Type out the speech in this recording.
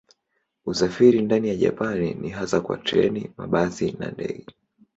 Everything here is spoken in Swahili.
Usafiri ndani ya Japani ni hasa kwa treni, mabasi na ndege.